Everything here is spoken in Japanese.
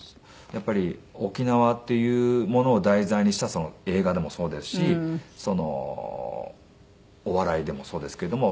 やっぱり沖縄っていうものを題材にした映画でもそうですしお笑いでもそうですけれども。